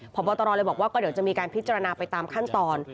พบตรเลยบอกว่าก็เดี๋ยวจะมีการพิจารณาไปตามขั้นตอน